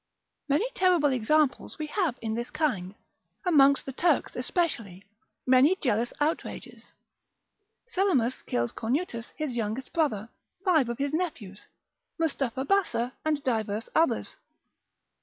Many terrible examples we have in this kind, amongst the Turks especially, many jealous outrages; Selimus killed Kornutus his youngest brother, five of his nephews, Mustapha Bassa, and divers others.